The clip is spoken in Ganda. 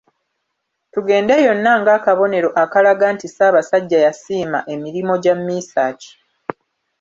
Tugende yonna ng’akabonero akalaga nti Ssaabasajja yasiima emirimo gya Mesach.